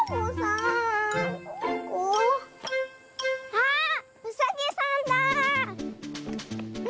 あっうさぎさんだあ！